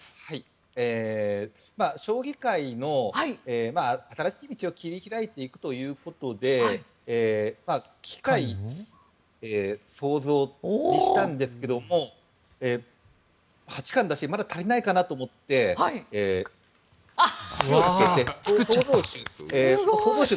将棋界の新しい道を切り開いていくということで棋界創造にしたんですけども八冠だしまだ足りないかなと思って主をつけて、創造主。